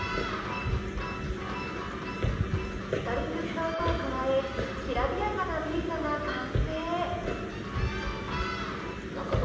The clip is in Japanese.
ストリングスの音を加えきらびやかなビートが完成。